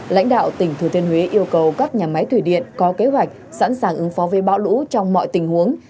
lãnh đạo tỉnh thừa thiên huế yêu cầu các nhà máy thủy điện có kế hoạch sẵn sàng ứng phó với bão lũ trong mọi tình huống